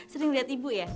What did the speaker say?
sering lihat ibu ya